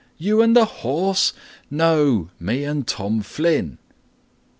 you and the horse?" "No, me and Tom Flynn."